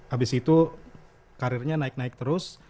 abis itu karirnya naik naik terus